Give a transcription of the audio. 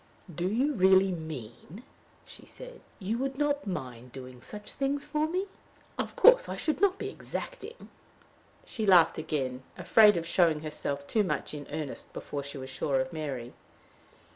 "Do you really mean," she said, "you would not mind doing such things for me? Of course I should not be exacting." She laughed again, afraid of showing herself too much in earnest before she was sure of Mary.